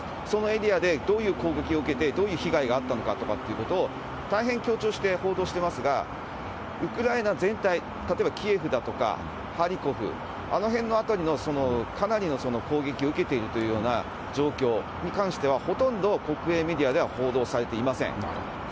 そのエリアでどういう攻撃を受けて、どういう被害があったのかということを、大変強調して報道していますが、ウクライナ全体、例えばキエフだとか、ハリコフ、あの辺の辺りのかなりの攻撃を受けているというような状況に関しては、ほとんど国営メディアでは報道されていません。